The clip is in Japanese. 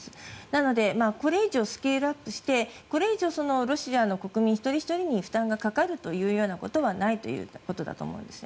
なので、これ以上スケールアップしてこれ以上ロシアの国民一人ひとりに負担がかかるということはないということだと思うんです。